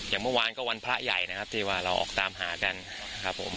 อย่างเมื่อวานก็วันพระใหญ่นะครับที่ว่าเราออกตามหากันครับผม